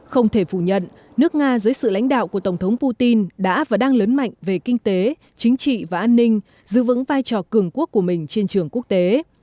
không thể phủ nhận nước nga dưới sự lãnh đạo của tổng thống putin đã và đang lớn mạnh về kinh tế chính trị và an ninh giữ vững vai trò cường quốc của mình trên trường quốc tế